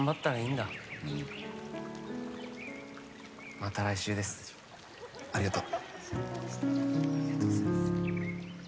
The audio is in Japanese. また来週です、ありがとう。